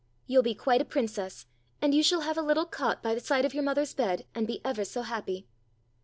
You'll be quite a princess, and you shall have a little cot by the side of your mother's bed, and be ever so happy."